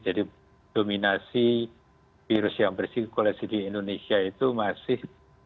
jadi dominasi virus yang bersirkulasi di indonesia itu masih